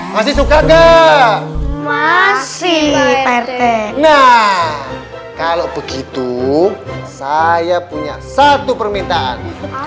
masih suka ke masih nah kalau begitu saya punya satu permintaan